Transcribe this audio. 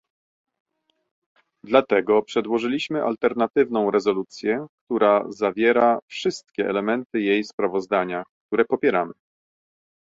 Dlatego przedłożyliśmy alternatywną rezolucję, która zawiera wszystkie elementy jej sprawozdania, które popieramy